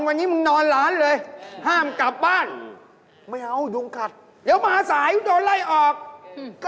เตรียมตัวกลิ่นข้าวของเลยนะเบิร์ธ